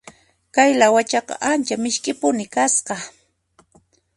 Kay lawachaqa ancha misk'ipuni kasqa.